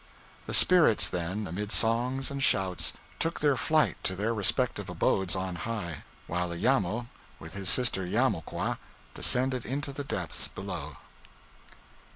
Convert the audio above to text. The spirits then, amid songs and shouts, took their flight to their respective abodes on high; while Iamo, with his sister Iamoqua, descended into the depths below.